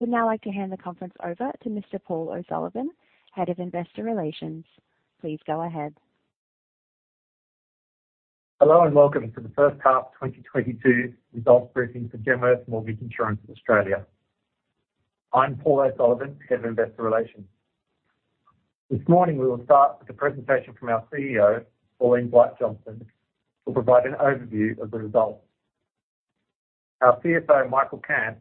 We'd now like to hand the conference over to Mr. Paul O'Sullivan, Head of Investor Relations. Please go ahead. Hello, and welcome to the first half 2022 results briefing for Genworth Mortgage Insurance Australia. I'm Paul O'Sullivan, Head of Investor Relations. This morning, we will start with a presentation from our CEO, Pauline Blight-Johnston, who'll provide an overview of the results. Our CFO, Michael Cant,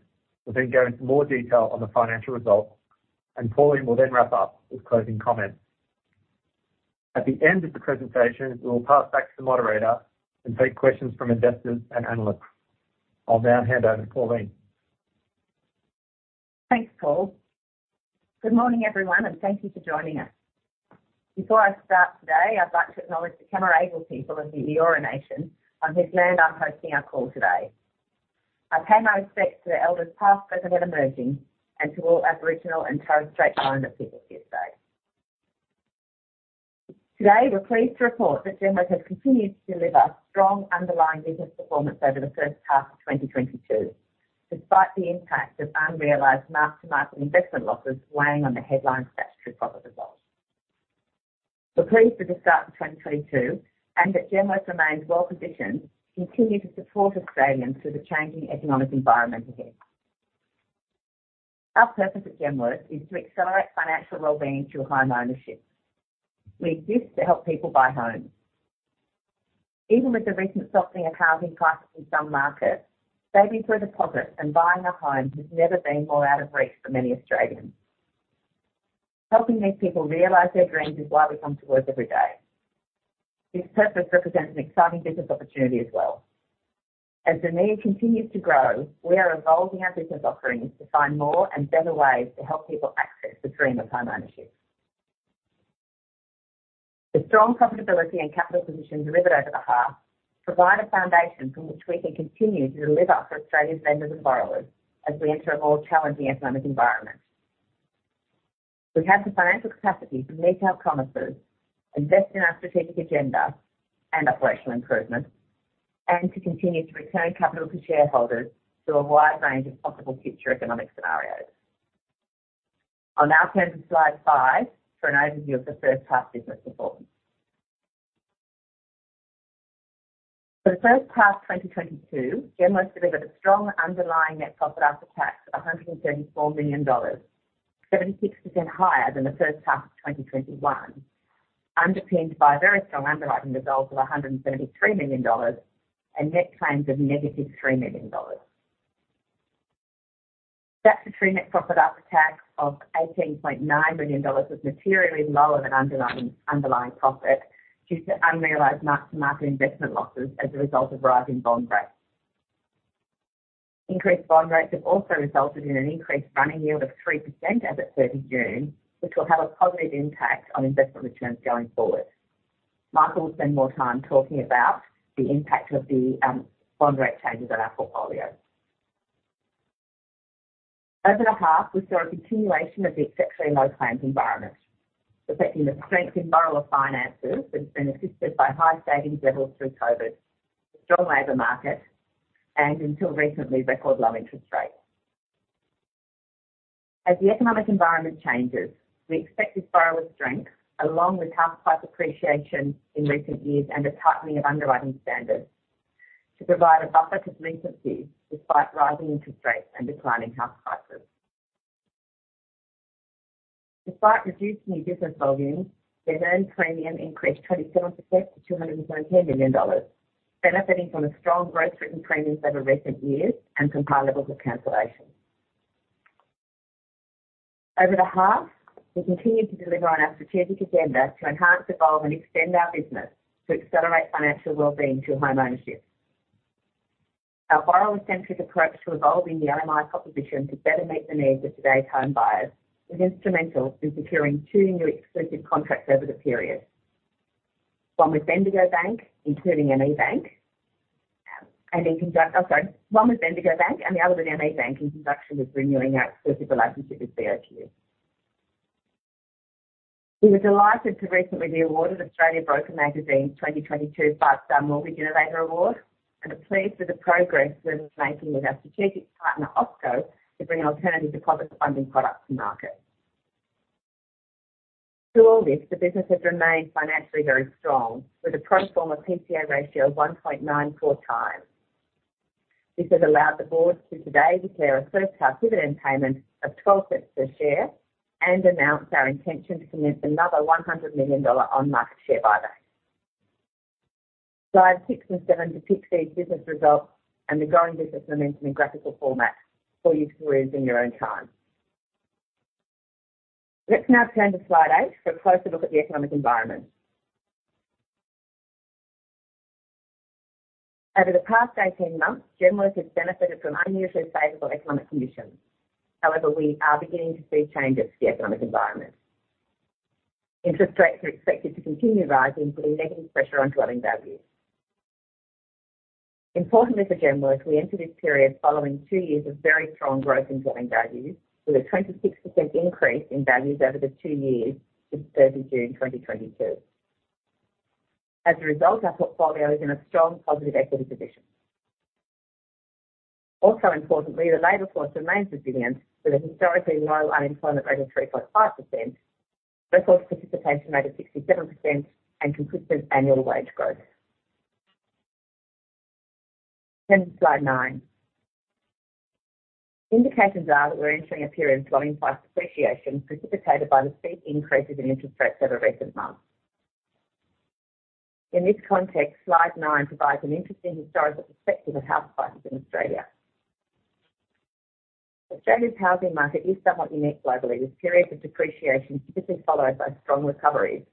will then go into more detail on the financial results, and Pauline will then wrap up with closing comments. At the end of the presentation, we will pass back to the moderator and take questions from investors and analysts. I'll now hand over to Pauline. Thanks, Paul. Good morning, everyone, and thank you for joining us. Before I start today, I'd like to acknowledge the Cammeraygal people of the Eora Nation on whose land I'm hosting our call today. I pay my respects to the elders, past, present, and emerging, and to all Aboriginal and Torres Strait Islander people here today. Today, we're pleased to report that Genworth has continued to deliver strong underlying business performance over the first half of 2022, despite the impact of unrealized mark-to-market investment losses weighing on the headline statutory profit results. We're pleased with the start of 2022 and that Genworth remains well-positioned to continue to support Australians through the changing economic environment ahead. Our purpose at Genworth is to accelerate financial wellbeing through homeownership. We exist to help people buy homes. Even with the recent softening of housing prices in some markets, saving for a deposit and buying a home has never been more out of reach for many Australians. Helping these people realize their dreams is why we come to work every day. This purpose represents an exciting business opportunity as well. As the need continues to grow, we are evolving our business offerings to find more and better ways to help people access the dream of homeownership. The strong profitability and capital position delivered over the half provide a foundation from which we can continue to deliver for Australia's lenders and borrowers as we enter a more challenging economic environment. We have the financial capacity to meet our promises, invest in our strategic agenda and operational improvements, and to continue to return capital to shareholders through a wide range of possible future economic scenarios. I'll now turn to slide five for an overview of the first half business performance. For the first half of 2022, Genworth delivered a strong underlying net profit after tax of 134 million dollars, 76% higher than the first half of 2021, underpinned by very strong underwriting results of 173 million dollars and net claims of -3 million dollars. Statutory net profit after tax of 18.9 million dollars was materially lower than underlying profit due to unrealized mark-to-market investment losses as a result of rising bond rates. Increased bond rates have also resulted in an increased running yield of 3% as at 30 June, which will have a positive impact on investment returns going forward. Michael will spend more time talking about the impact of the bond rate changes on our portfolio. Over the half, we saw a continuation of the exceptionally low claims environment, reflecting the strength in borrower finances that's been assisted by high savings levels through COVID, a strong labor market, and until recently, record low interest rates. As the economic environment changes, we expect this borrower strength, along with house price appreciation in recent years and a tightening of underwriting standards, to provide a buffer to delinquencies despite rising interest rates and declining house prices. Despite reduced new business volumes, the earned premium increased 27% to 219 million dollars, benefiting from the strong growth in premiums over recent years and some high levels of cancellation. Over the half, we continued to deliver on our strategic agenda to enhance, evolve, and extend our business to accelerate financial wellbeing through homeownership. Our borrower-centric approach to evolving the MMI proposition to better meet the needs of today's home buyers was instrumental in securing two new exclusive contracts over the period. One with Bendigo Bank and the other with ME Bank, in conjunction with renewing our exclusive relationship with BOQ. We were delighted to recently be awarded Australian Broker Magazine's 2022 5-star mortgage innovator award and are pleased with the progress we're making with our strategic partner, OwnHome, to bring alternative deposit funding products to market. Through all this, the business has remained financially very strong, with a pro forma PCA ratio of 1.94x. This has allowed the board to today declare a first half dividend payment of 0.12 per share and announce our intention to commence another 100 million dollar on-market share buyback. Slides six and seven depict these business results and the growing business momentum in graphical format for you to read in your own time. Let's now turn to slide 8 for a closer look at the economic environment. Over the past 18 months, Genworth has benefited from unusually favorable economic conditions. However, we are beginning to see changes to the economic environment. Interest rates are expected to continue rising, putting negative pressure on dwelling values. Importantly for Genworth, we enter this period following two years of very strong growth in dwelling values, with a 26% increase in values over the two years to 30 June 2022. As a result, our portfolio is in a strong positive equity position. Also importantly, the labor force remains resilient with a historically low unemployment rate of 3.5%, workforce participation rate of 67%, and consistent annual wage growth. Turning to slide nine. Indications are that we're entering a period of dwelling price depreciation precipitated by the steep increases in interest rates over recent months. In this context, slide nine provides an interesting historical perspective of house prices in Australia. Australia's housing market is somewhat unique globally, with periods of depreciation typically followed by strong recoveries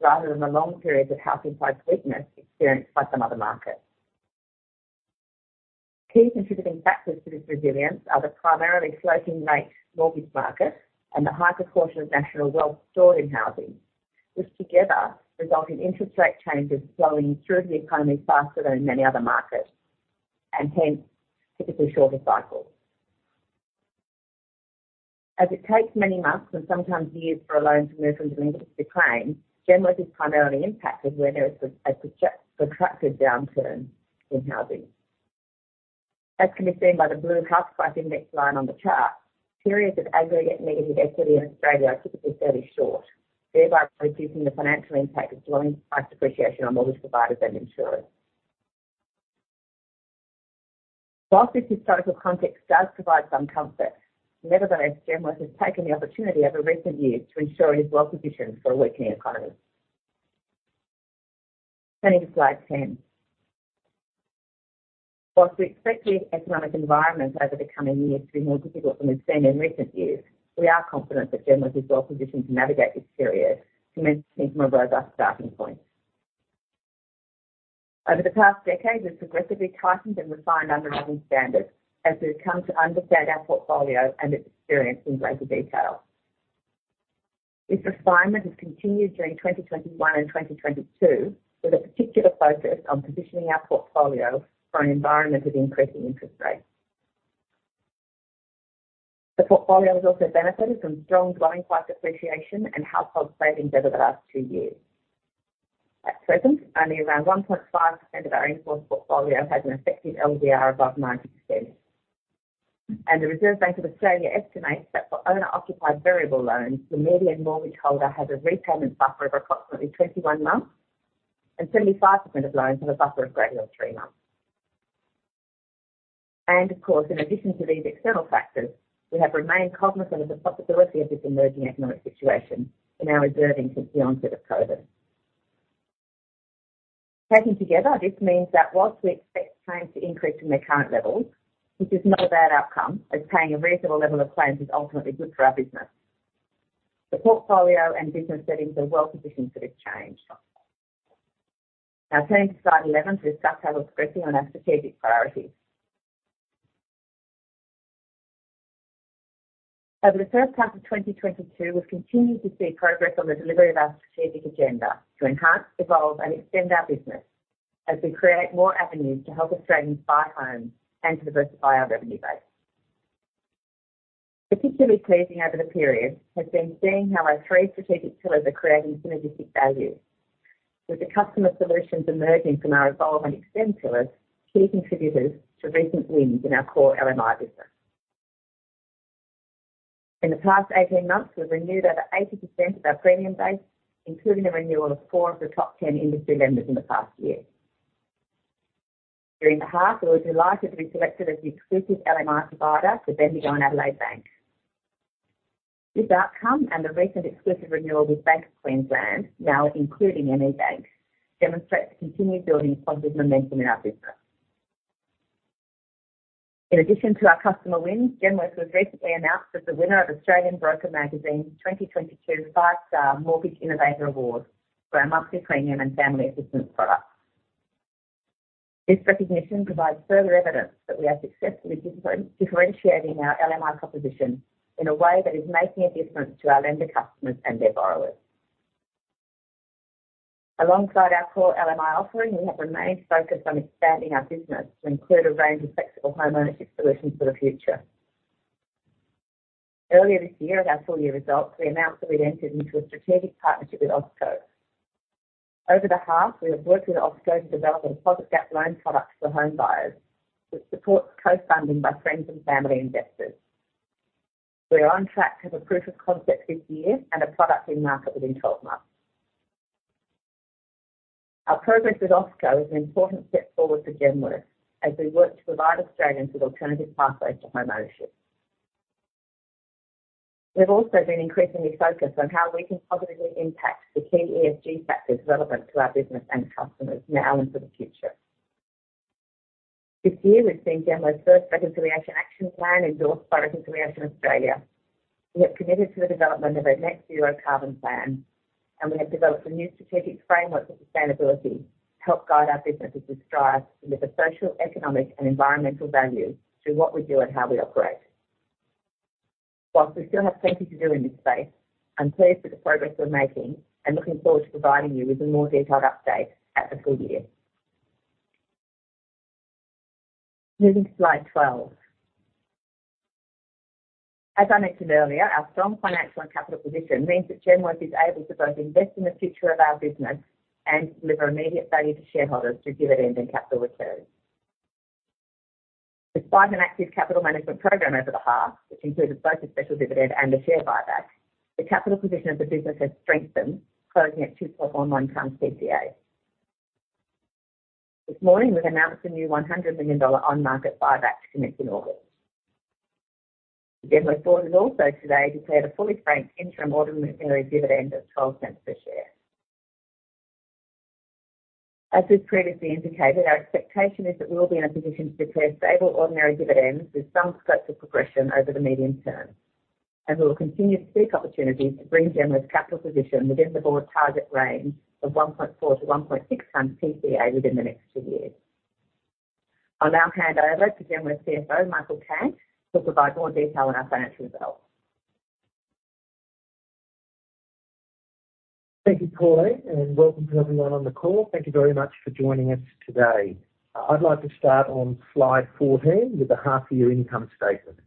rather than the long periods of housing price weakness experienced by some other markets. Key contributing factors to this resilience are the primarily floating rate mortgage market and the high proportion of national wealth stored in housing, which together result in interest rate changes flowing through the economy faster than in many other markets, and hence, typically shorter cycles. As it takes many months and sometimes years for a loan to move from delinquency to claim, Genworth is primarily impacted when there is a protracted downturn in housing. As can be seen by the blue house price index line on the chart, periods of aggregate negative equity in Australia are typically fairly short, thereby reducing the financial impact of dwelling price depreciation on mortgage providers and insurers. While this historical context does provide some comfort, nevertheless, Genworth has taken the opportunity over recent years to ensure it is well-positioned for a weakening economy. Turning to slide 10. While we expect the economic environment over the coming years to be more difficult than we've seen in recent years, we are confident that Genworth is well positioned to navigate this period, commencing from a robust starting point. Over the past decade, we've progressively tightened and refined underwriting standards as we've come to understand our portfolio and its experience in greater detail. This refinement has continued during 2021 and 2022, with a particular focus on positioning our portfolio for an environment of increasing interest rates. The portfolio has also benefited from strong dwelling price appreciation and household savings over the last two years. At present, only around 1.5% of our in-force portfolio has an effective LVR above 90%. The Reserve Bank of Australia estimates that for owner-occupied variable loans, the median mortgage holder has a repayment buffer of approximately 21 months, and 75% of loans have a buffer of greater than three months. Of course, in addition to these external factors, we have remained cognizant of the possibility of this emerging economic situation in our reserving since the onset of COVID. Taken together, this means that while we expect claims to increase from their current levels, this is not a bad outcome, as paying a reasonable level of claims is ultimately good for our business. The portfolio and business settings are well positioned for this change. Now turning to slide 11 to discuss how we're progressing on our strategic priorities. Over the first half of 2022, we've continued to see progress on the delivery of our strategic agenda to enhance, evolve, and extend our business as we create more avenues to help Australians buy homes and to diversify our revenue base. Particularly pleasing over the period has been seeing how our three strategic pillars are creating synergistic value. With the customer solutions emerging from our evolve and extend pillars, key contributors to recent wins in our core LMI business. In the past 18 months, we've renewed over 80% of our premium base, including the renewal of four of the top 10 industry lenders in the past year. During the half, we were delighted to be selected as the exclusive LMI provider for Bendigo and Adelaide Bank. This outcome and the recent exclusive renewal with Bank of Queensland, now including ME Bank, demonstrates the continued building of positive momentum in our business. In addition to our customer wins, Genworth was recently announced as the winner of Australian Broker Magazine's 2022 five-star Mortgage Innovator Award for our monthly premium and family assistance product. This recognition provides further evidence that we are successfully differentiating our LMI proposition in a way that is making a difference to our lender customers and their borrowers. Alongside our core LMI offering, we have remained focused on expanding our business to include a range of flexible homeownership solutions for the future. Earlier this year, at our full year results, we announced that we'd entered into a strategic partnership with OwnHome. Over the half, we have worked with OwnHome to develop a deposit gap loan product for home buyers, which supports co-funding by friends and family investors. We are on track to have a proof of concept this year and a product in market within 12 months. Our progress with OwnHome is an important step forward for Genworth as we work to provide Australians with alternative pathways to homeownership. We've also been increasingly focused on how we can positively impact the key ESG factors relevant to our business and customers now and for the future. This year, we've seen Genworth's first Reconciliation Action Plan endorsed by Reconciliation Australia. We have committed to the development of a net zero carbon plan, and we have developed a new strategic framework for sustainability to help guide our business as we strive to deliver social, economic, and environmental value through what we do and how we operate. While we still have plenty to do in this space, I'm pleased with the progress we're making and looking forward to providing you with a more detailed update at the full year. Moving to slide 12. As I mentioned earlier, our strong financial and capital position means that Genworth is able to both invest in the future of our business and deliver immediate value to shareholders through dividends and capital returns. Despite an active capital management program over the half, which included both a special dividend and a share buyback, the capital position of the business has strengthened, closing at 2.19x PCA. This morning, we've announced a new 100 million dollar on-market buyback to commence in August. The Helia board has also today declared a fully franked interim ordinary dividend of 0.12 per share. We've previously indicated, our expectation is that we will be in a position to declare stable ordinary dividends with some scope for progression over the medium term, and we will continue to seek opportunities to bring Helia's capital position within the board's target range of 1.4-1.6x PCA within the next two years. I'll now hand over to Helia's CFO, Michael Cant, to provide more detail on our financial results. Thank you, Pauline, and welcome to everyone on the call. Thank you very much for joining us today. I'd like to start on slide 14 with the half year income statement.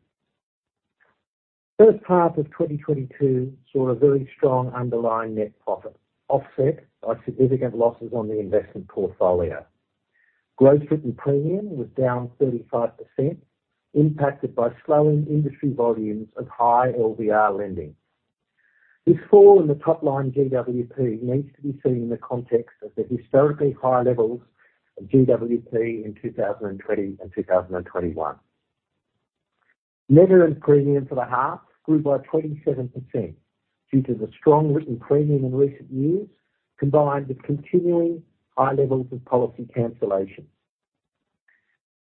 First half of 2022 saw a very strong underlying net profit, offset by significant losses on the investment portfolio. Gross written premium was down 35%, impacted by slowing industry volumes of high LVR lending. This fall in the top line GWP needs to be seen in the context of the historically high levels of GWP in 2020 and 2021. Net earned premium for the half grew by 27% due to the strong written premium in recent years, combined with continuing high levels of policy cancellations.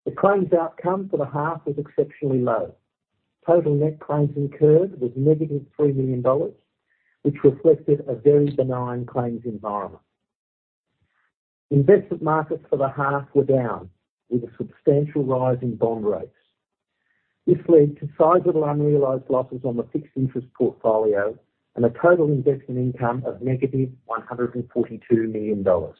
The claims outcome for the half was exceptionally low. Total net claims incurred was negative 3 million dollars, which reflected a very benign claims environment. Investment markets for the half were down with a substantial rise in bond rates. This led to sizable unrealized losses on the fixed interest portfolio and a total investment income of -142 million dollars.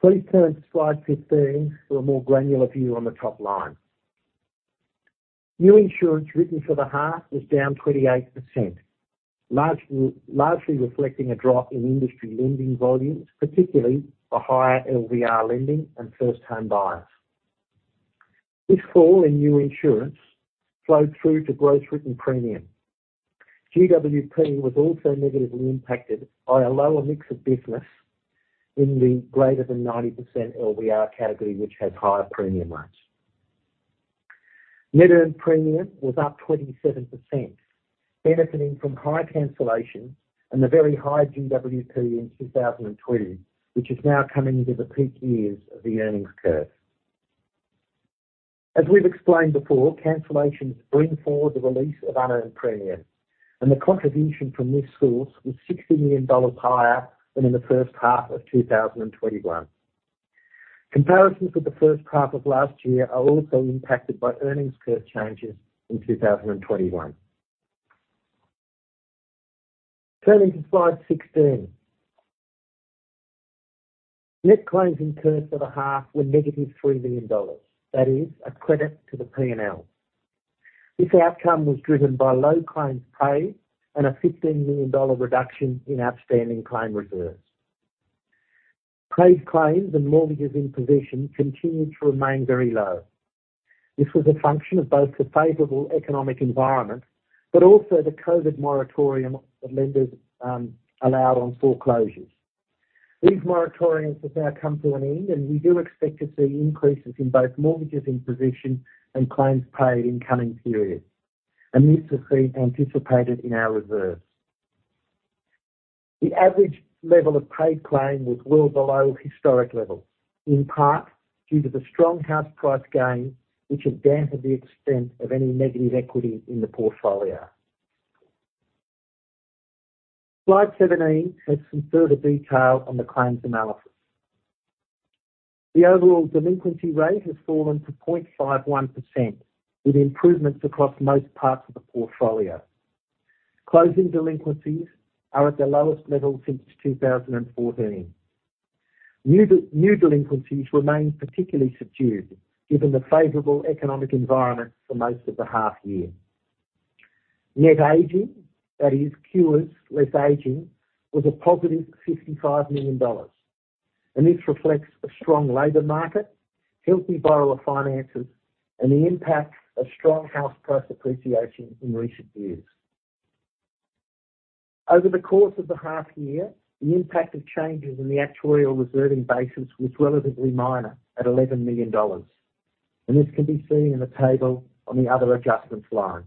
Please turn to slide 15 for a more granular view on the top line. New insurance written for the half was down 28%, largely reflecting a drop in industry lending volumes, particularly for higher LVR lending and first-time buyers. This fall in new insurance flowed through to gross written premium. GWP was also negatively impacted by a lower mix of business in the greater than 90% LVR category, which has higher premium rates. Net earned premium was up 27%, benefiting from high cancellations and the very high GWP in 2020, which is now coming into the peak years of the earnings curve. As we've explained before, cancellations bring forward the release of unearned premium, and the contribution from this source was AUD 60 million higher than in the first half of 2021. Comparisons with the first half of last year are also impacted by earnings curve changes in 2021. Turning to slide 16. Net claims incurred for the half were -3 million dollars, that is a credit to the P&L. This outcome was driven by low claims paid and an 15 million dollar reduction in outstanding claim reserves. Paid claims and mortgages in position continued to remain very low. This was a function of both the favorable economic environment, but also the COVID moratorium that lenders allowed on foreclosures. These moratoriums have now come to an end, and we do expect to see increases in both mortgages in possession and claims paid in coming periods, and this is being anticipated in our reserves. The average level of paid claim was well below historic levels, in part due to the strong house price gain, which has dampened the extent of any negative equity in the portfolio. Slide 17 has some further detail on the claims analysis. The overall delinquency rate has fallen to 0.51%, with improvements across most parts of the portfolio. Closing delinquencies are at their lowest level since 2014. New delinquencies remain particularly subdued given the favorable economic environment for most of the half year. Net aging, that is cures less aging, was a positive 55 million dollars, and this reflects a strong labor market, healthy borrower finances, and the impact of strong house price appreciation in recent years. Over the course of the half year, the impact of changes in the actuarial reserving basis was relatively minor at 11 million dollars, and this can be seen in the table on the other adjustments line.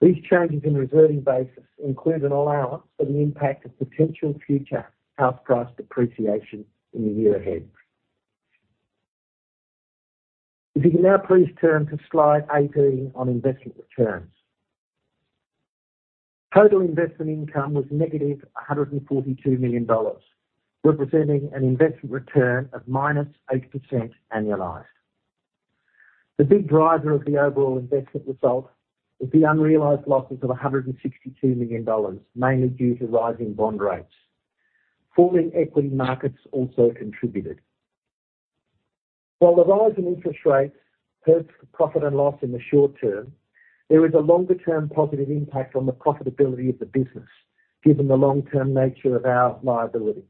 These changes in reserving basis include an allowance for the impact of potential future house price depreciation in the year ahead. If you can now please turn to slide 18 on investment returns. Total investment income was negative 142 million dollars, representing an investment return of -8% annualized. The big driver of the overall investment result is the unrealized losses of 162 million dollars, mainly due to rising bond rates. Falling equity markets also contributed. While the rise in interest rates hurts the profit and loss in the short term, there is a longer-term positive impact on the profitability of the business, given the long-term nature of our liabilities.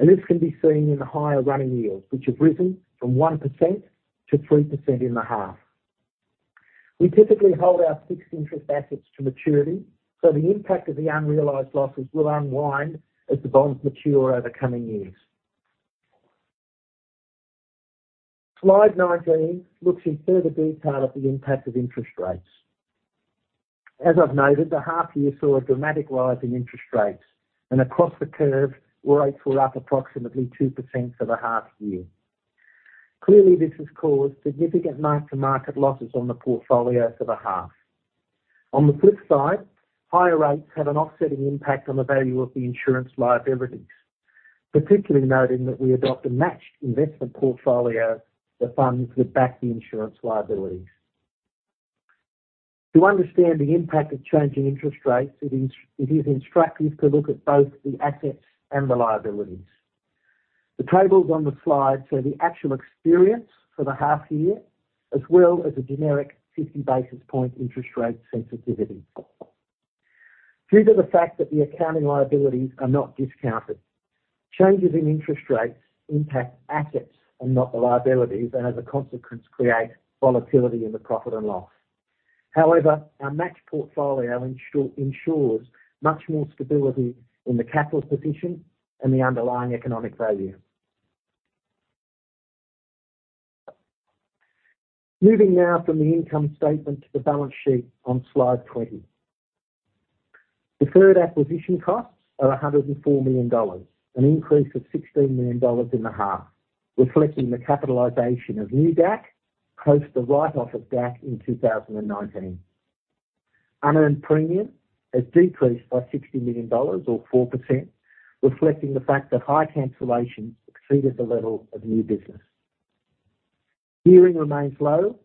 This can be seen in the higher running yields, which have risen from 1%-3% in the half. We typically hold our fixed interest assets to maturity, so the impact of the unrealized losses will unwind as the bonds mature over coming years. Slide 19 looks in further detail at the impact of interest rates. As I've noted, the half year saw a dramatic rise in interest rates, and across the curve, rates were up approximately 2% for the half year. Clearly, this has caused significant mark-to-market losses on the portfolio for the half. On the flip side, higher rates have an offsetting impact on the value of the insurance liabilities, particularly noting that we adopt a matched investment portfolio for funds that back the insurance liabilities. To understand the impact of changing interest rates, it is instructive to look at both the assets and the liabilities. The tables on the slide show the actual experience for the half year, as well as a generic 50 basis point interest rate sensitivity. Due to the fact that the accounting liabilities are not discounted, changes in interest rates impact assets and not the liabilities, and as a consequence, create volatility in the profit and loss. However, our matched portfolio insures much more stability in the capital position and the underlying economic value. Moving now from the income statement to the balance sheet on slide 20. Deferred acquisition costs are 104 million dollars, an increase of 16 million dollars in the half, reflecting the capitalization of new DAC post the write-off of DAC in 2019. Unearned premium has decreased by 60 million dollars or 4%, reflecting the fact that high cancellations exceeded the level of new business. Gearing remains low,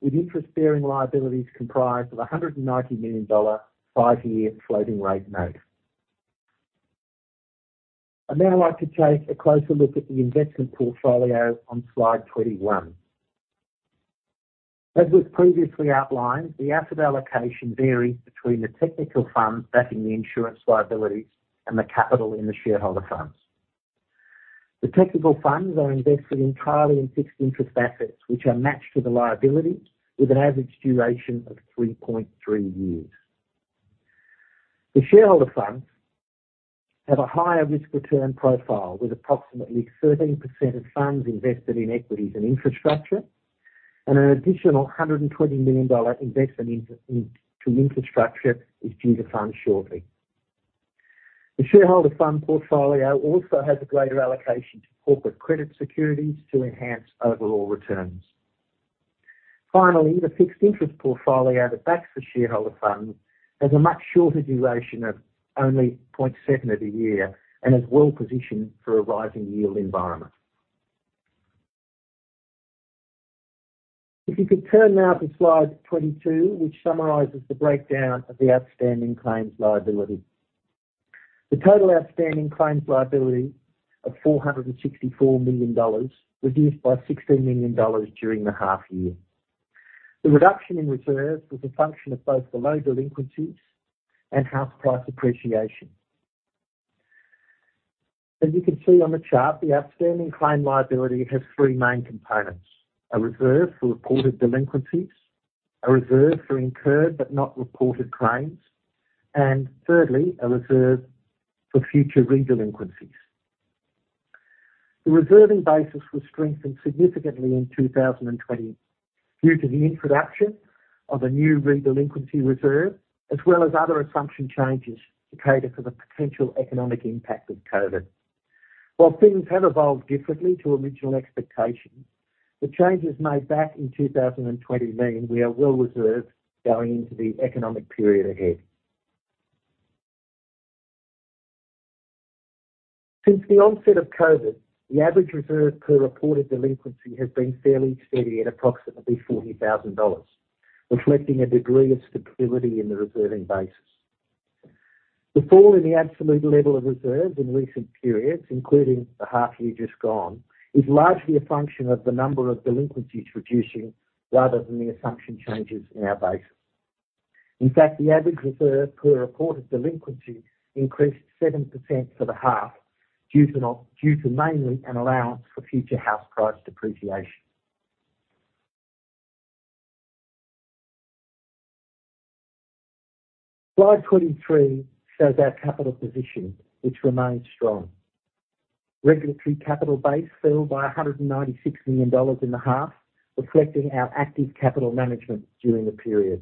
with interest-bearing liabilities comprised of 190 million dollar five-year floating rate note. I'd now like to take a closer look at the investment portfolio on slide 21. As was previously outlined, the asset allocation varies between the technical funds backing the insurance liabilities and the capital in the shareholder funds. The technical funds are invested entirely in fixed interest assets, which are matched with the liability with an average duration of 3.3 years. The shareholder funds have a higher risk return profile, with approximately 13% of funds invested in equities and infrastructure, and an additional 120 million dollar investment into infrastructure is due to fund shortly. The shareholder fund portfolio also has a greater allocation to corporate credit securities to enhance overall returns. Finally, the fixed interest portfolio that backs the shareholder fund has a much shorter duration of only 0.7 of a year and is well-positioned for a rising yield environment. If you could turn now to slide 22, which summarizes the breakdown of the outstanding claims liability. The total outstanding claims liability of 464 million dollars reduced by 16 million dollars during the half year. The reduction in reserves was a function of both the low delinquencies and house price appreciation. As you can see on the chart, the outstanding claim liability has three main components, a reserve for reported delinquencies, a reserve for incurred but not reported claims, and thirdly, a reserve for future re-delinquencies. The reserving basis was strengthened significantly in 2020 due to the introduction of a new re-delinquency reserve, as well as other assumption changes to cater for the potential economic impact of COVID. While things have evolved differently to original expectations, the changes made back in 2020 mean we are well reserved going into the economic period ahead. Since the onset of COVID, the average reserve per reported delinquency has been fairly steady at approximately 40 thousand dollars, reflecting a degree of stability in the reserving basis. The fall in the absolute level of reserves in recent periods, including the half year just gone, is largely a function of the number of delinquencies reducing rather than the assumption changes in our basis. In fact, the average reserve per reported delinquency increased 7% for the half due to mainly an allowance for future house price depreciation. Slide 23 shows our capital position, which remains strong. Regulatory capital base fell by 196 million dollars in the half, reflecting our active capital management during the period.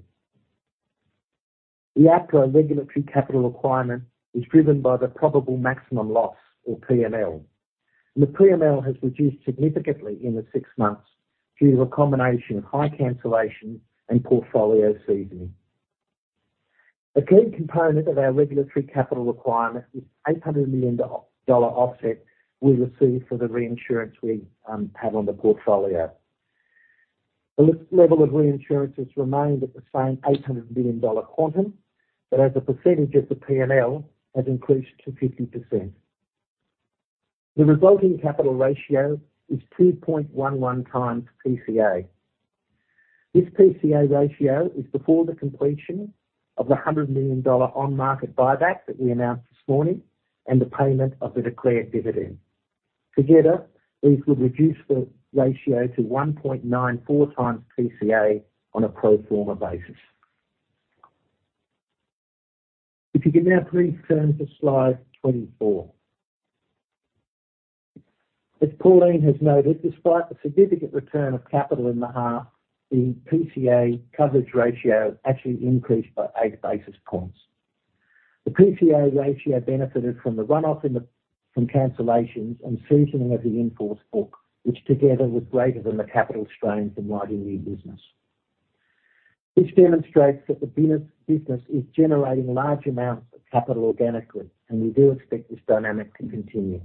The APRA regulatory capital requirement is driven by the probable maximum loss or PML, and the PML has reduced significantly in the six months due to a combination of high cancellation and portfolio seasoning. A key component of our regulatory capital requirement is 800 million dollar offset we received for the reinsurance we have on the portfolio. The loss level of reinsurance has remained at the same 800 million dollar quantum, but as a percentage of the PNL has increased to 50%. The resulting capital ratio is 2.11x PCA. This PCA ratio is before the completion of the 100 million dollar on-market buyback that we announced this morning and the payment of the declared dividend. Together, these would reduce the ratio to 1.94x PCA on a pro forma basis. If you can now please turn to slide 24. As Pauline has noted, despite the significant return of capital in the half, the PCA coverage ratio actually increased by eight basis points. The PCA ratio benefited from the run-off from cancellations and seasoning of the in-force book, which together was greater than the capital strain from writing new business. This demonstrates that the business is generating large amounts of capital organically, and we do expect this dynamic to continue.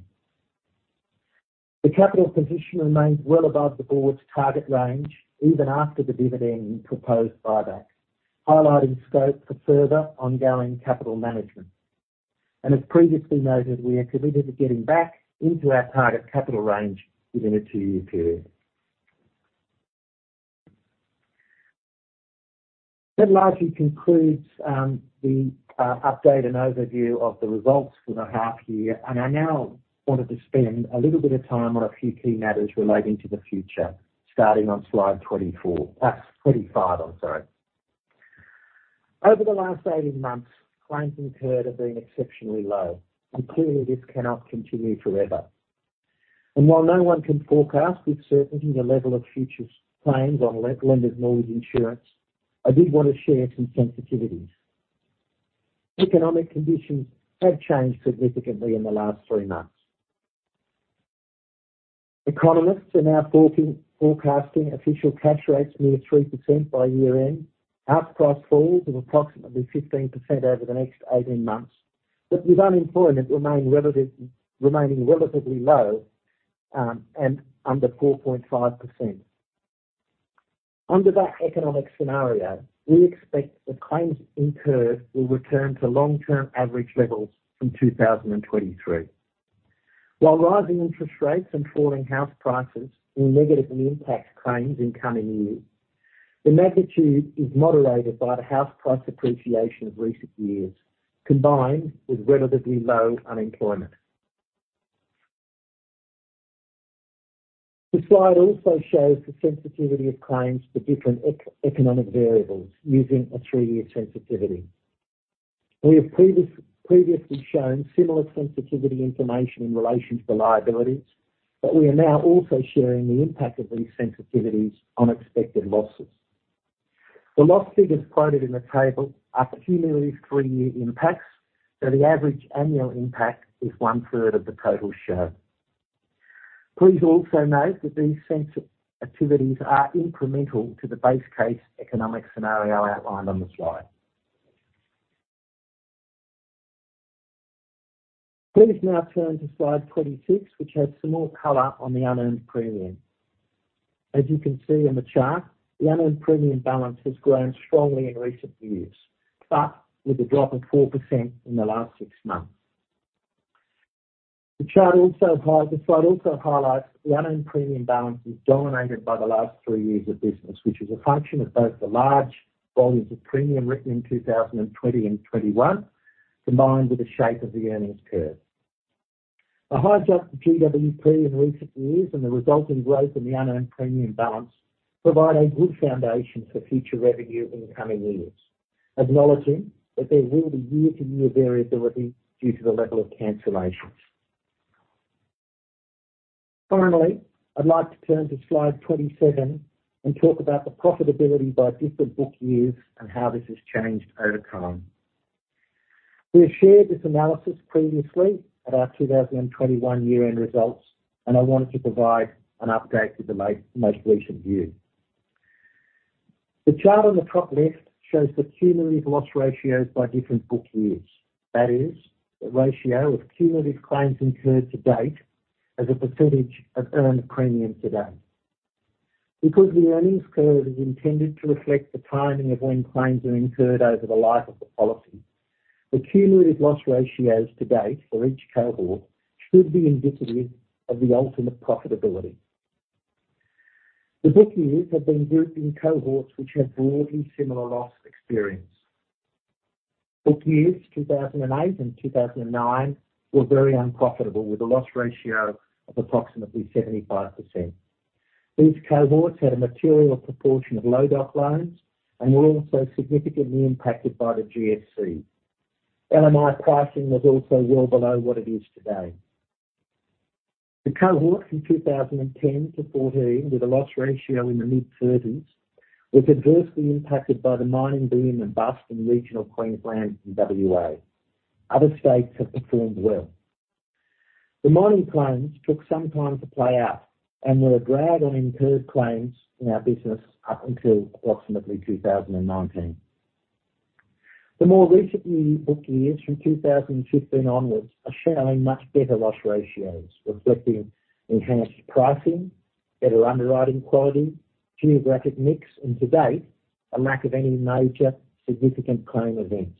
The capital position remains well above the board's target range even after the dividend and proposed buyback, highlighting scope for further ongoing capital management. As previously noted, we are committed to getting back into our target capital range within a two-year period. That largely concludes the update and overview of the results for the half year, and I now wanted to spend a little bit of time on a few key matters relating to the future, starting on slide 24, 25, I'm sorry. Over the last 18 months, claims incurred have been exceptionally low, and clearly this cannot continue forever. While no one can forecast with certainty the level of future claims on lenders mortgage insurance, I did want to share some sensitivities. Economic conditions have changed significantly in the last three months. Economists are now forecasting official cash rates near 3% by year-end, house price falls of approximately 15% over the next 18 months. With unemployment remaining relatively low, and under 4.5%. Under that economic scenario, we expect the claims incurred will return to long-term average levels from 2023. While rising interest rates and falling house prices will negatively impact claims in coming years, the magnitude is moderated by the house price appreciation of recent years, combined with relatively low unemployment. The slide also shows the sensitivity of claims for different economic variables using a three-year sensitivity. We have previously shown similar sensitivity information in relation to liabilities, but we are now also sharing the impact of these sensitivities on expected losses. The loss figures quoted in the table are cumulative three-year impacts, so the average annual impact is one-third of the total shown. Please also note that these sensitivities are incremental to the base case economic scenario outlined on the slide. Please now turn to slide 26, which has some more color on the unearned premium. As you can see in the chart, the unearned premium balance has grown strongly in recent years, but with a drop of 4% in the last six months. The slide also highlights the unearned premium balance is dominated by the last three years of business, which is a function of both the large volumes of premium written in 2020 and 2021, combined with the shape of the earnings curve. The high GWP in recent years and the resulting growth in the unearned premium balance provide a good foundation for future revenue in coming years, acknowledging that there will be year-to-year variability due to the level of cancellations. Finally, I'd like to turn to slide 27 and talk about the profitability by different book years and how this has changed over time. We have shared this analysis previously at our 2021 year-end results, and I wanted to provide an update with the latest most recent view. The chart on the top left shows the cumulative loss ratios by different book years. That is, the ratio of cumulative claims incurred to date as a percentage of earned premium to date. Because the earnings curve is intended to reflect the timing of when claims are incurred over the life of the policy, the cumulative loss ratios to date for each cohort should be indicative of the ultimate profitability. The book years have been grouped in cohorts which have broadly similar loss experience. Book years 2008 and 2009 were very unprofitable, with a loss ratio of approximately 75%. These cohorts had a material proportion of low doc loans and were also significantly impacted by the GFC. LMI pricing was also well below what it is today. The cohort from 2010 to 2014, with a loss ratio in the mid-30s, was adversely impacted by the mining boom and bust in regional Queensland and WA. Other states have performed well. The mining claims took some time to play out and were a drag on incurred claims in our business up until approximately 2019. The more recently booked years from 2015 onwards are showing much better loss ratios, reflecting enhanced pricing, better underwriting quality, geographic mix, and to date, a lack of any major significant claim events.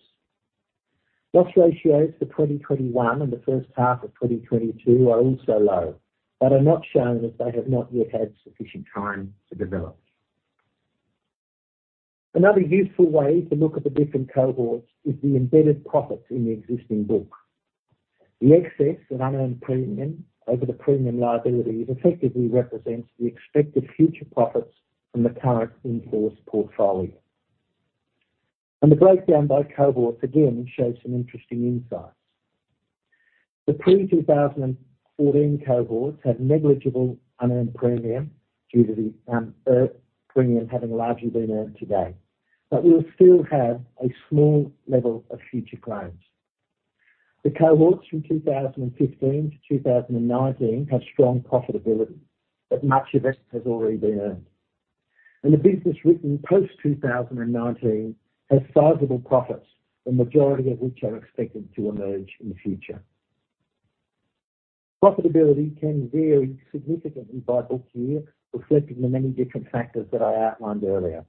Loss ratios for 2021 and the first half of 2022 are also low, but are not shown as they have not yet had sufficient time to develop. Another useful way to look at the different cohorts is the embedded profits in the existing book. The excess and unearned premium over the premium liability effectively represents the expected future profits from the current in-force portfolio. The breakdown by cohorts again shows some interesting insights. The pre-2014 cohorts have negligible unearned premium due to the earned premium having largely been earned to date, but we will still have a small level of future claims. The cohorts from 2015 to 2019 have strong profitability, but much of it has already been earned. The business written post-2019 has sizable profits, the majority of which are expected to emerge in the future. Profitability can vary significantly by book year, reflecting the many different factors that I outlined earlier.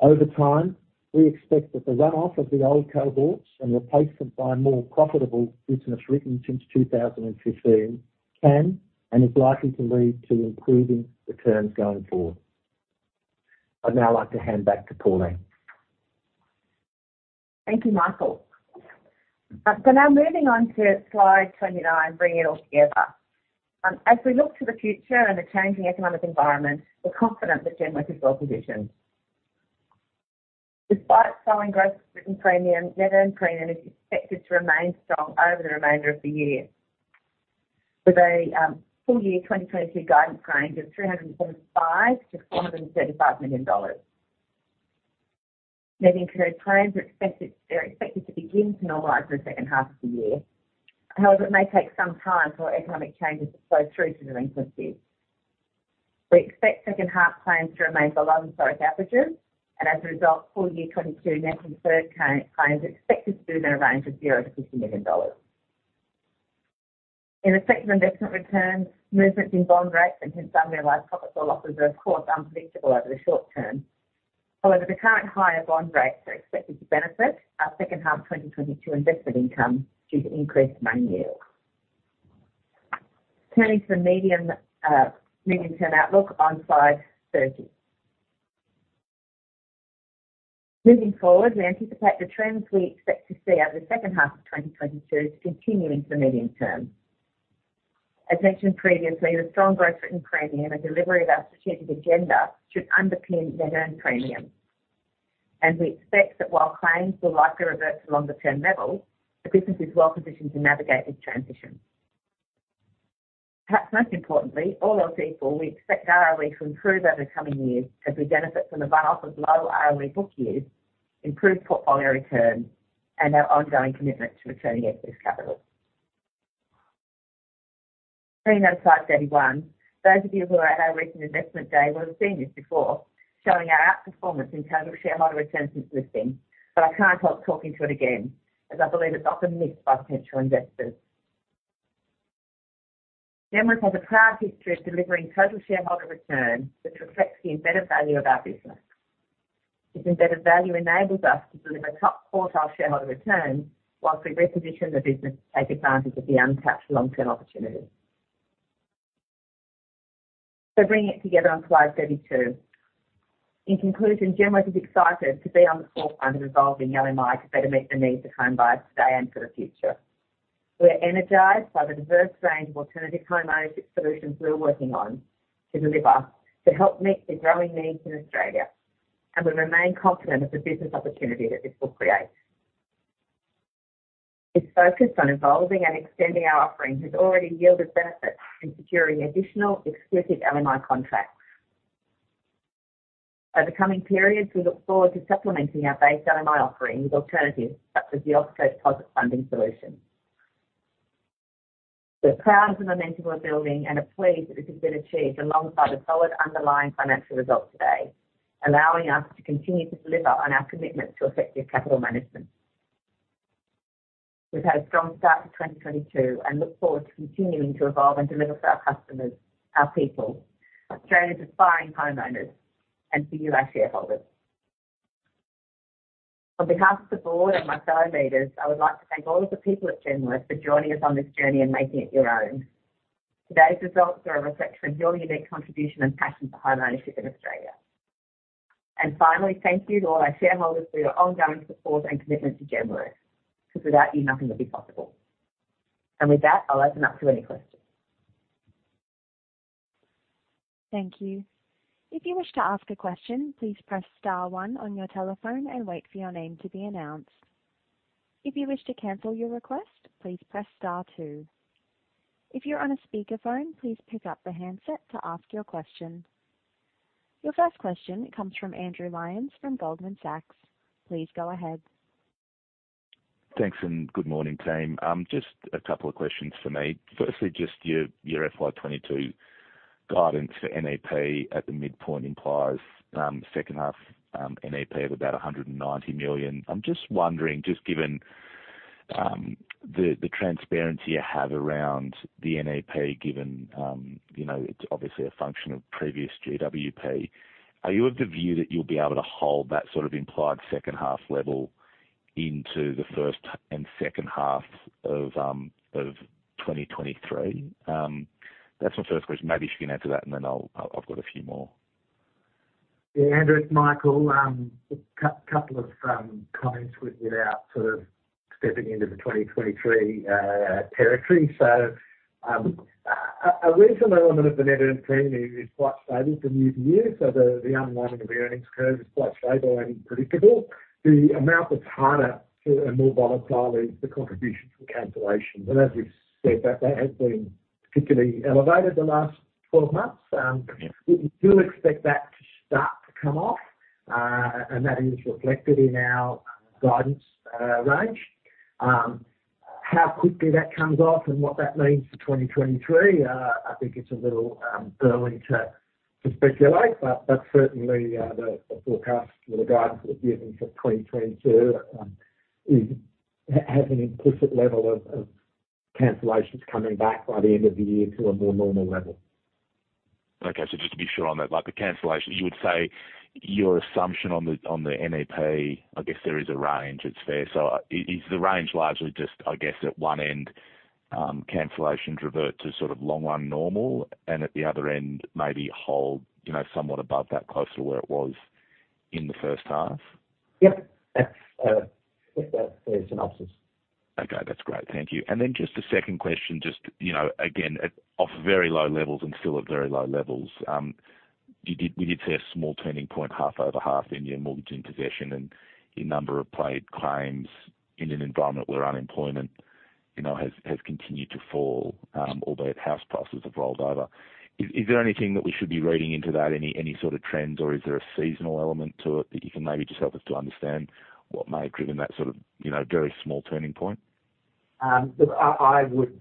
Over time, we expect that the run-off of the old cohorts and replacement by more profitable business written since 2015 can and is likely to lead to improving returns going forward. I'd now like to hand back to Pauline. Thank you, Michael. Now moving on to slide 29, bringing it all together. As we look to the future and the changing economic environment, we're confident that Genworth is well-positioned. Despite slowing gross written premium, net earned premium is expected to remain strong over the remainder of the year, with a full year 2022 guidance range of 375 million-435 million dollars. Net incurred claims are expected to begin to normalize in the second half of the year. However, it may take some time for economic changes to flow through to delinquencies. We expect second half claims to remain below historic averages and as a result, full year 2022 net incurred claims are expected to be in a range of 0-50 million dollars. In respect of investment returns, movements in bond rates and hence unrealized profits or losses are of course unpredictable over the short term. However, the current higher bond rates are expected to benefit our second half of 2022 investment income due to increased money yield. Turning to the medium-term outlook on slide 30. Moving forward, we anticipate the trends we expect to see over the second half of 2022 continuing to the medium term. As mentioned previously, the strong growth in premium and delivery of our strategic agenda should underpin net earned premium. We expect that while claims will likely revert to longer-term levels, the business is well positioned to navigate this transition. Perhaps most importantly, all else equal, we expect ROE to improve over the coming years as we benefit from the run-off of low ROE book years, improved portfolio returns, and our ongoing commitment to returning excess capital. Turning over to slide 31. Those of you who were at our recent investment day will have seen this before, showing our outperformance in total shareholder return since listing, but I can't help talking to it again as I believe it's often missed by potential investors. Genworth has a proud history of delivering total shareholder return, which reflects the embedded value of our business. This embedded value enables us to deliver top quartile shareholder returns while we reposition the business to take advantage of the untapped long-term opportunities. Bringing it together on slide 32. In conclusion, Helia Group is excited to be on the forefront of evolving LMI to better meet the needs of homebuyers today and for the future. We are energized by the diverse range of alternative homeownership solutions we are working on to deliver to help meet the growing needs in Australia, and we remain confident of the business opportunity that this will create. This focus on evolving and extending our offerings has already yielded benefits in securing additional exclusive LMI contracts. Over coming periods, we look forward to supplementing our base LMI offering with alternatives such as the OwnHome deposit funding solution. We're proud of the momentum we're building and are pleased that this has been achieved alongside a solid underlying financial result today, allowing us to continue to deliver on our commitment to effective capital management. We've had a strong start to 2022 and look forward to continuing to evolve and deliver for our customers, our people, Australia's aspiring homeowners, and for you, our shareholders. On behalf of the board and my fellow leaders, I would like to thank all of the people at Genworth for joining us on this journey and making it your own. Today's results are a reflection of your unique contribution and passion for homeownership in Australia. Finally, thank you to all our shareholders for your ongoing support and commitment to Genworth, because without you, nothing would be possible. With that, I'll open up to any questions. Thank you. If you wish to ask a question, please press star one on your telephone and wait for your name to be announced. If you wish to cancel your request, please press star two. If you're on a speakerphone, please pick up the handset to ask your question. Your first question comes from Andrew Lyons from Goldman Sachs. Please go ahead. Thanks, good morning, team. Just a couple of questions for me. Firstly, just your FY 2022 guidance for NEP at the midpoint implies second half NEP of about 190 million. I'm just wondering, just given the transparency you have around the NEP, given you know, it's obviously a function of previous GWP. Are you of the view that you'll be able to hold that sort of implied second half level into the first and second half of 2023? That's my first question. Maybe if you can answer that, and then I've got a few more. Yeah, Andrew, it's Michael. A couple of comments without sort of stepping into the 2023 territory. A recent element of the net earned premium is quite stable from year to year, so the underlying of the earnings curve is quite stable and predictable. The amount that's harder to earn more volatile is the contribution from cancellations. As we've said, that has been particularly elevated the last 12 months. We do expect that to start to come off, and that is reflected in our guidance range. How quickly that comes off and what that means for 2023, I think it's a little early to speculate, but certainly, the forecast or the guidance we're giving for 2022 is. Has an implicit level of cancellations coming back by the end of the year to a more normal level. Okay. Just to be sure on that, like the cancellations, you would say your assumption on the NEP, I guess there is a range. It's fair. Is the range largely just, I guess, at one end, cancellations revert to sort of long run normal and at the other end, maybe hold, you know, somewhat above that closer to where it was in the first half? Yep. That's a synopsis. Okay, that's great. Thank you. Then just a second question, just, you know, again at off very low levels and still at very low levels. We did see a small turning point half over half in your mortgages in possession and in number of paid claims in an environment where unemployment, you know, has continued to fall, albeit house prices have rolled over. Is there anything that we should be reading into that, any sort of trends, or is there a seasonal element to it that you can maybe just help us to understand what may have driven that sort of, you know, very small turning point? I would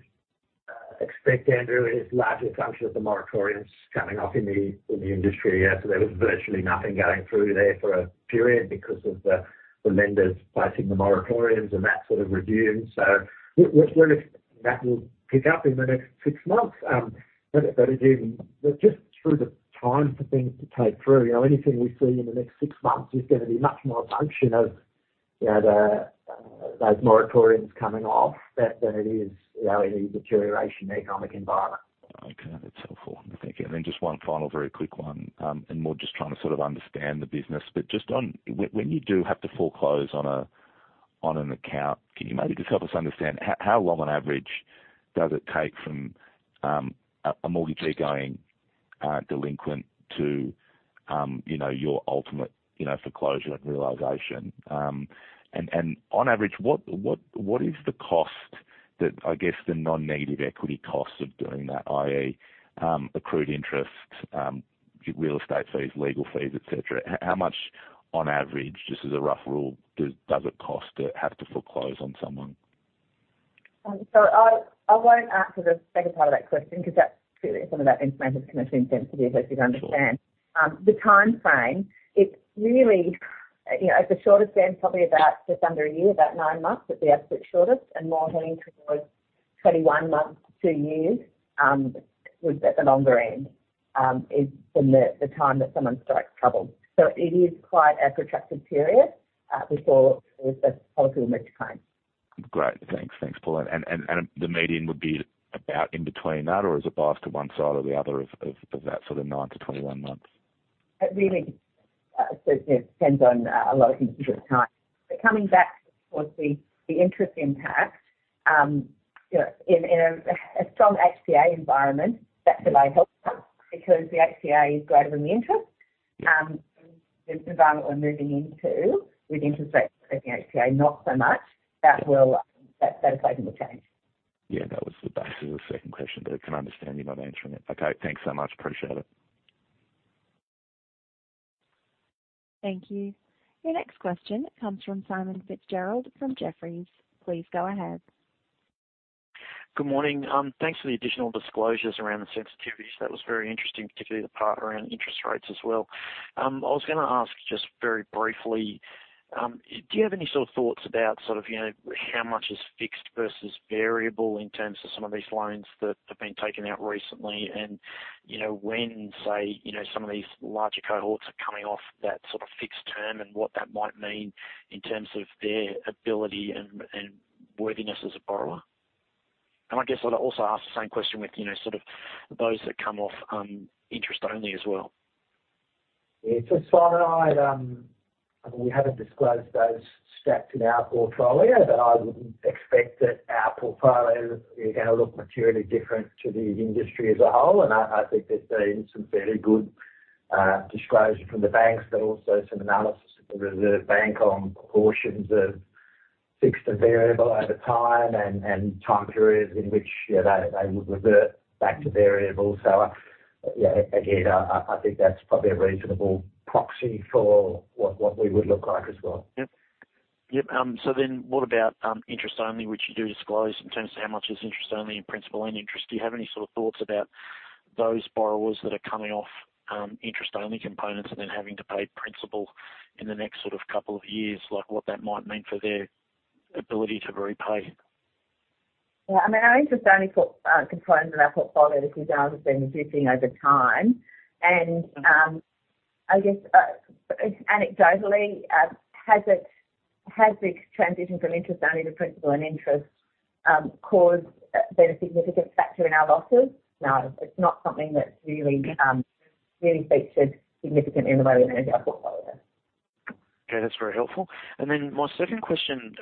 expect, Andrew, is largely a function of the moratoriums coming off in the industry. There was virtually nothing going through there for a period because of the lenders placing the moratoriums and that sort of regime. We're expecting that will pick up in the next six months. But again, just through the time for things to take through, you know, anything we see in the next six months is gonna be much more a function of, you know, those moratoriums coming off than it is, you know, any deterioration in economic environment. Okay. That's helpful. Thank you. Just one final very quick one, and more just trying to sort of understand the business. Just on when you do have to foreclose on an account, can you maybe just help us understand how long on average does it take from a mortgage going delinquent to you know, your ultimate foreclosure realization? On average, what is the cost that I guess the negative equity costs of doing that, i.e., accrued interest, real estate fees, legal fees, et cetera. How much on average, just as a rough rule, does it cost to have to foreclose on someone? I won't answer the second part of that question 'cause that's really some of that information is commercially sensitive, as you'd understand. Sure. The timeframe, it's really, you know, at the shortest end, probably about just under a year, about nine months at the absolute shortest, and more leaning towards 21 months to two years, at the longer end, is from the time that someone strikes trouble. It is quite a protracted period before a property will move to claim. Great. Thanks. Thanks, Pauline. The median would be about in between that or is it biased to one side or the other of that sort of 9-21 months? It really depends on a lot of individual times. Coming back towards the interest impact, you know, in a strong HPA environment, that delay helps us because the HPA is greater than the interest. The environment we're moving into with interest rates affecting HPA not so much, that equation will change. Yeah. That was the basis of the second question, but I can understand you not answering it. Okay. Thanks so much. Appreciate it. Thank you. Your next question comes from Simon Fitzgerald from Jefferies. Please go ahead. Good morning. Thanks for the additional disclosures around the sensitivities. That was very interesting, particularly the part around interest rates as well. I was gonna ask just very briefly, do you have any sort of thoughts about sort of, you know, how much is fixed versus variable in terms of some of these loans that have been taken out recently and, you know, when, say, you know, some of these larger cohorts are coming off that sort of fixed term and what that might mean in terms of their ability and worthiness as a borrower. I guess I'd also ask the same question with, you know, sort of those that come off, interest only as well. Yeah. Simon, I'd. We haven't disclosed those fixed in our portfolio, but I wouldn't expect that our portfolio is gonna look materially different to the industry as a whole. I think there's been some fairly good disclosure from the banks, but also some analysis of the Reserve Bank on proportions of fixed and variable over time and time periods in which, you know, they would revert back to variable. Yeah, again, I think that's probably a reasonable proxy for what we would look like as well. Yep. What about interest only, which you do disclose in terms of how much is interest only and principal and interest? Do you have any sort of thoughts about those borrowers that are coming off interest-only components and then having to pay principal in the next sort of couple of years, like what that might mean for their ability to repay? Well, I mean, our interest-only components in our portfolio, the good news has been reducing over time. I guess, anecdotally, has the transition from interest only to principal and interest been a significant factor in our losses? No. It's not something that's really featured significantly in the way we manage our portfolio. Okay, that's very helpful. Then my second question,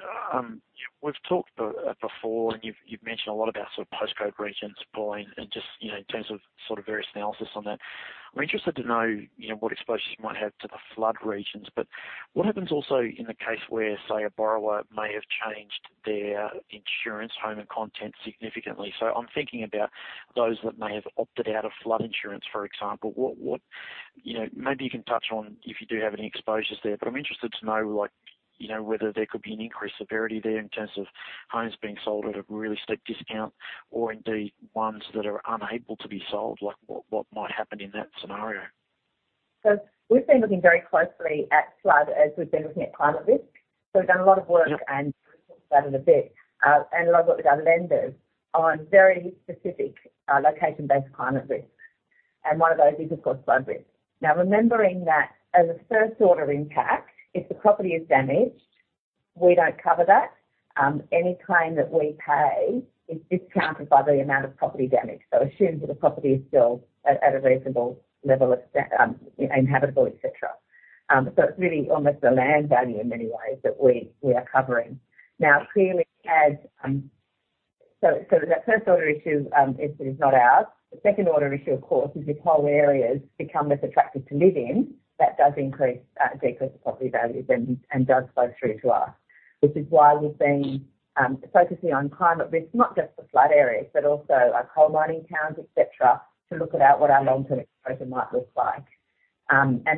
we've talked before, and you've mentioned a lot about sort of postcode regions, Paul, and just, you know, in terms of sort of various analysis on that. I'm interested to know, you know, what exposures you might have to the flood regions, but what happens also in the case where, say, a borrower may have changed their insurance, home and content significantly. I'm thinking about those that may have opted out of flood insurance, for example. What, you know, maybe you can touch on if you do have any exposures there, but I'm interested to know, like, you know, whether there could be an increased severity there in terms of homes being sold at a really steep discount or indeed ones that are unable to be sold, like what might happen in that scenario. We've been looking very closely at flood as we've been looking at climate risk. We've done a lot of work. Yep. We'll talk about it a bit and a lot with our lenders on very specific location-based climate risks. One of those is, of course, flood risk. Now, remembering that as a first order impact, if the property is damaged, we don't cover that. Any claim that we pay is discounted by the amount of property damage. Assuming that the property is still at a reasonable level of habitability, et cetera. It's really almost the land value in many ways that we are covering. Now, clearly as that first order issue is not ours. The second order issue, of course, is if whole areas become less attractive to live in, that does decrease the property values and does flow through to us, which is why we've been focusing on climate risk, not just for flood areas, but also our coal mining towns, et cetera, to look at what our long-term exposure might look like.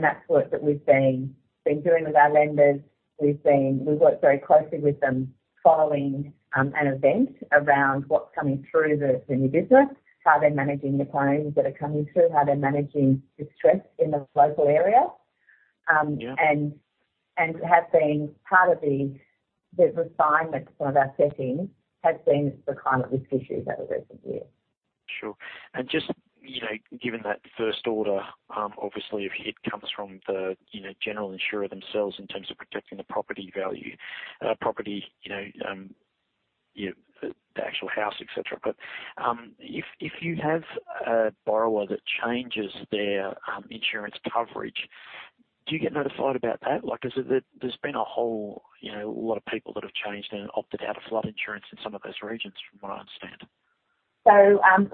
That's work that we've been doing with our lenders. We've worked very closely with them following an event around what's coming through the new business, how they're managing the claims that are coming through, how they're managing distress in the local area. Yeah. have been part of the refinement of our settings has been the climate risk issues over recent years. Sure. Just, you know, given that first order, obviously a hit comes from the, you know, general insurer themselves in terms of protecting the property value, you know, the actual house, et cetera. If you have a borrower that changes their insurance coverage, do you get notified about that? Like, is it that there's been a whole, you know, a lot of people that have changed and opted out of flood insurance in some of those regions from what I understand.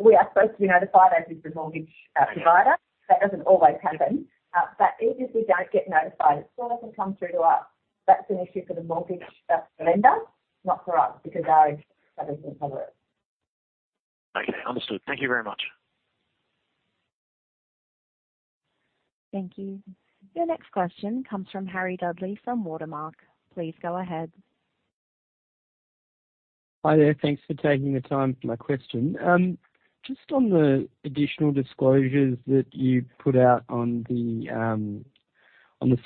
We are supposed to be notified as is the mortgage provider. That doesn't always happen. Even if we don't get notified, it still doesn't come through to us. That's an issue for the mortgage lender, not for us, because our insurance doesn't cover it. Okay. Understood. Thank you very much. Thank you. Your next question comes from Harry Dudley from Watermark. Please go ahead. Hi there. Thanks for taking the time for my question. Just on the additional disclosures that you put out on the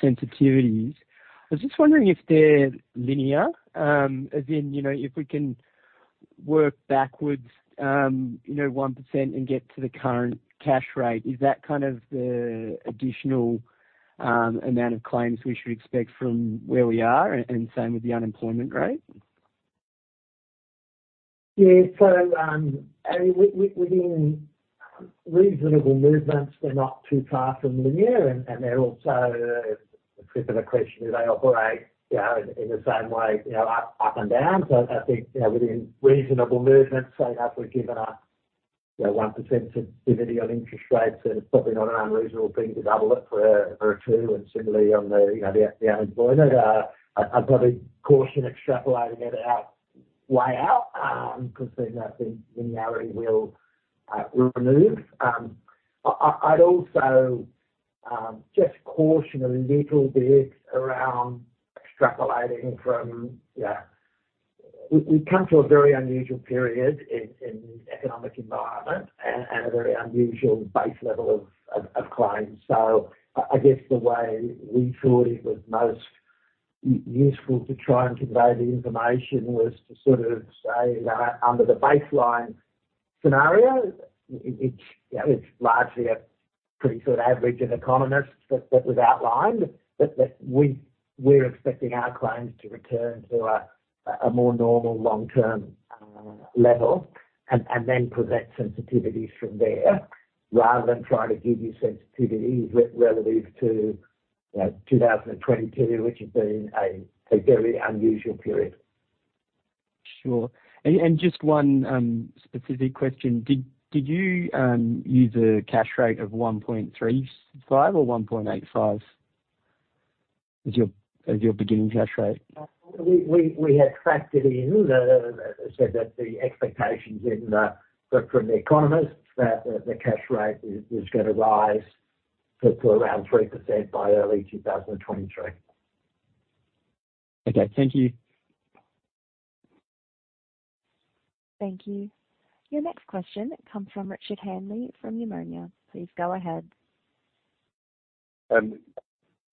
sensitivities. I was just wondering if they're linear, as in, you know, if we can work backwards, you know, 1% and get to the current cash rate. Is that kind of the additional amount of claims we should expect from where we are and same with the unemployment rate? Yeah. I mean, within reasonable movements, they're not too far from linear. And they're also a trick of a question. They operate, you know, in the same way, you know, up and down. I think, you know, within reasonable movements, say if we've given a 1% sensitivity on interest rates, then it's probably not an unreasonable thing to double it for a 2% and similarly on the, you know, the unemployment. I'd probably caution extrapolating it out way out, because then I think linearity will remove. I'd also just caution a little bit around extrapolating from, you know, we've come to a very unusual period in the economic environment and a very unusual base level of claims. I guess the way we thought it was most useful to try and convey the information was to sort of say that under the baseline scenario, it's largely a pretty sort of average of economists that was outlined, but we're expecting our claims to return to a more normal long-term level and then present sensitivities from there rather than try to give you sensitivities relative to, you know, 2022, which has been a very unusual period. Sure. Just one specific question. Did you use a cash rate of 1.35 or 1.85 as your beginning cash rate? We have factored in the expectations in from the economists that the cash rate is gonna rise to around 3% by early 2023. Okay. Thank you. Thank you. Your next question comes from Richard Hamming from Euromonitor. Please go ahead.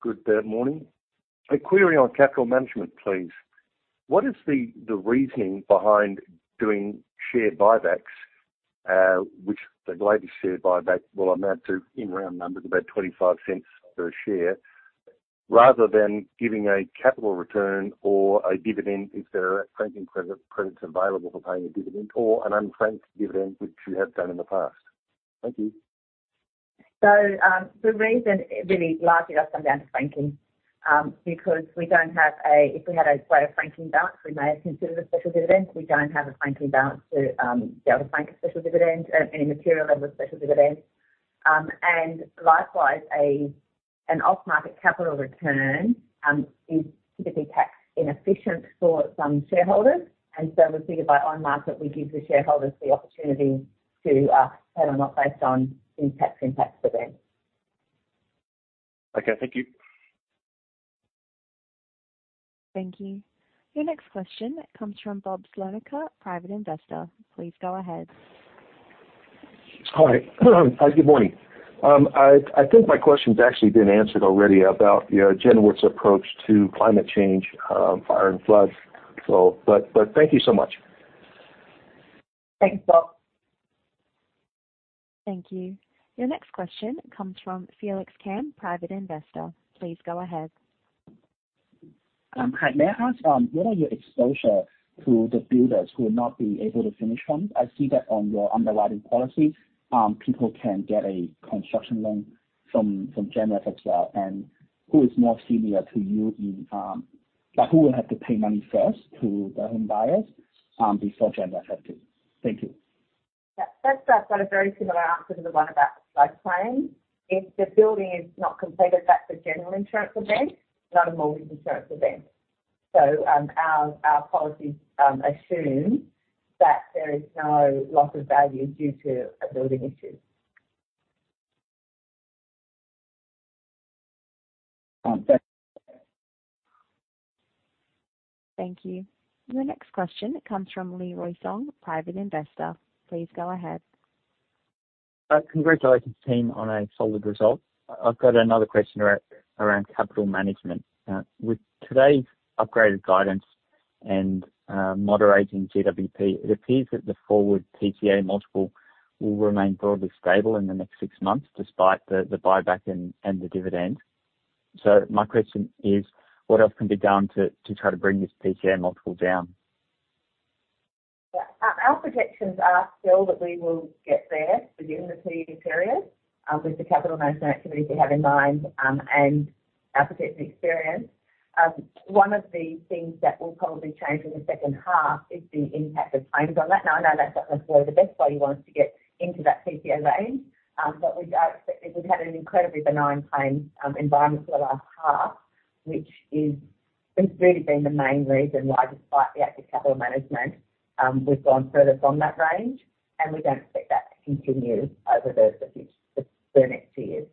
Good morning. A query on capital management, please. What is the reasoning behind doing share buybacks? Which the latest share buyback will amount to, in round numbers, about 0.25 per share, rather than giving a capital return or a dividend if there are franking credits available for paying a dividend or an unfranked dividend, which you have done in the past. Thank you. The reason really largely does come down to franking. Because we don't have a franking balance. If we had a greater franking balance, we may have considered a special dividend. We don't have a franking balance to be able to frank a special dividend, any material level of special dividend. Likewise, an off-market capital return is typically tax inefficient for some shareholders, and so we figure by on-market, we give the shareholders the opportunity to take them off based on any tax impacts for them. Okay. Thank you. Thank you. Your next question comes from Bob Schlotman, Private Investor. Please go ahead. Hi. Good morning. I think my question's actually been answered already about, you know, Genworth's approach to climate change, fire and floods. But thank you so much. Thanks, Bob. Thank you. Your next question comes from Felix Von-Kim, Private Investor. Please go ahead. Hi. May I ask, what are your exposure to the builders who will not be able to finish homes? I see that on your underwriting policies, people can get a construction loan from Genworth as well. Like, who will have to pay money first to the home buyers, before Genworth have to? Thank you. Yeah. That's got a very similar answer to the one about, like, claims. If the building is not completed, that's a general insurance event, not a mortgage insurance event. Our policies assume that there is no loss of value due to a building issue. That's okay. Thank you. Your next question comes from Leroy Soh, Private Investor. Please go ahead. Congratulations, team, on a solid result. I've got another question around capital management. With today's upgraded guidance and moderating GWP, it appears that the forward PTA multiple will remain broadly stable in the next six months, despite the buyback and the dividend. My question is, what else can be done to try to bring this PTA multiple down? Yeah. Our projections are still that we will get there within the two-year period, with the capital management activities we have in mind, and our projected experience. One of the things that will probably change in the second half is the impact of claims on that. Now, I know that's not necessarily the best way you want us to get into that PTA range, but we don't expect it. We've had an incredibly benign claim environment for the last half, which has really been the main reason why, despite the active capital management, we've gone furthest on that range, and we don't expect that to continue over the next years.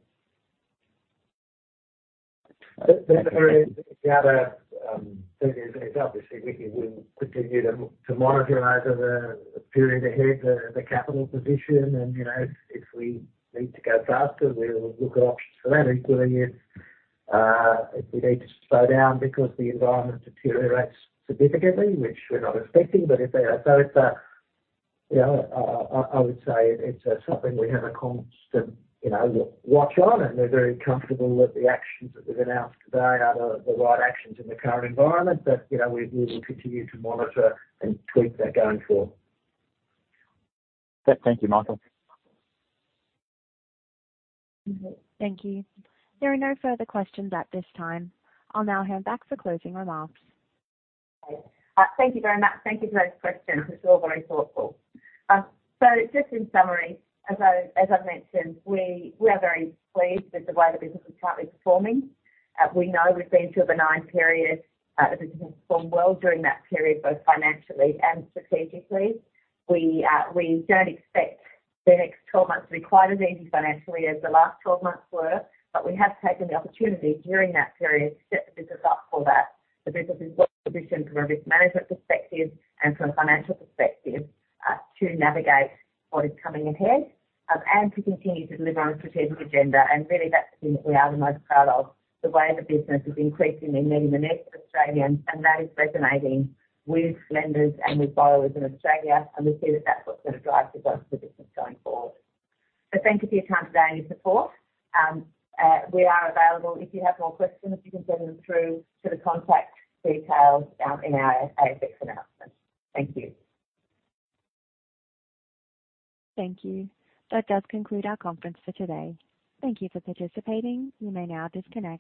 The other thing is obviously we will continue to monitor over the period ahead, the capital position and, you know, if we need to go faster, we'll look at options for that, including if we need to slow down because the environment deteriorates significantly, which we're not expecting. It's, you know, I would say it's something we have a constant, you know, watch on, and we're very comfortable that the actions that we've announced today are the right actions in the current environment. You know, we will continue to monitor and tweak that going forward. Thank you, Michael. Thank you. There are no further questions at this time. I'll now hand back for closing remarks. Okay. Thank you very much. Thank you for those questions. It's all very thoughtful. Just in summary, as I've mentioned, we are very pleased with the way the business is currently performing. We know we've been through a benign period. The business performed well during that period, both financially and strategically. We don't expect the next 12 months to be quite as easy financially as the last 12 months were, but we have taken the opportunity during that period to set the business up for that. The business is well positioned from a risk management perspective and from a financial perspective to navigate what is coming ahead and to continue to deliver on a strategic agenda. Really that's the thing that we are the most proud of, the way the business is increasingly meeting the needs of Australians, and that is resonating with lenders and with borrowers in Australia, and we see that that's what's gonna drive success for the business going forward. Thank you for your time today and your support. We are available. If you have more questions, you can send them through to the contact details in our ASX announcement. Thank you. Thank you. That does conclude our conference for today. Thank you for participating. You may now disconnect.